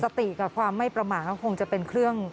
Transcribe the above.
สติกับความไม่ประมาทก็คงจะเป็นเครื่อง